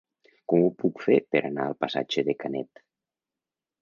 Com ho puc fer per anar al passatge de Canet?